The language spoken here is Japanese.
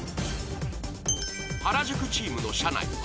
原宿チームの車内は？